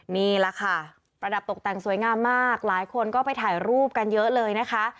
นี่แหละค่ะประดับตกแต่งสวยงามมากหลายคนก็ไปถ่ายรูปกันเยอะเลยนะคะ